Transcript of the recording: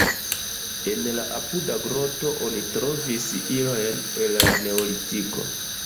En la apuda groto oni trovis ilojn el la neolitiko.